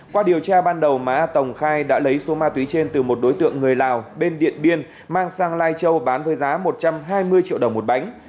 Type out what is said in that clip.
qua điều tra ban đầu má a tồng khai đã lấy số ma túy trên từ một đối tượng người lào bên điện biên mang sang lai châu bán với giá một trăm hai mươi triệu đồng một bánh